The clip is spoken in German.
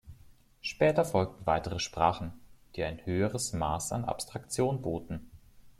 Später folgten weitere Sprachen, die ein höheres Maß an Abstraktion boten.